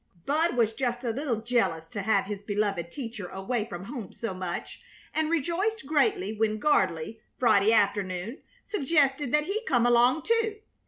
Bud was just a little jealous to have his beloved teacher away from home so much, and rejoiced greatly when Gardley, Friday afternoon, suggested that he come along, too.